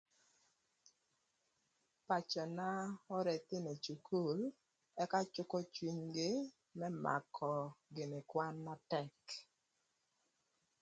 Pacöna oro ëthïnö ï cukul ëka cükö cwinygï më makö kwan na tek.